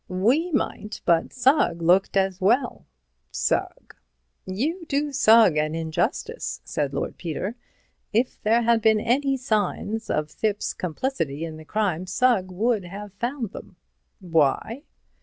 "We might. But Sugg looked as well." "Sugg!" "You do Sugg an injustice," said Lord Peter; "if there had been any signs of Thipps's complicity in the crime, Sugg would have found them." "Why?"